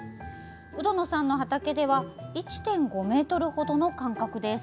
鵜殿さんの畑では１．５ｍほどの間隔です。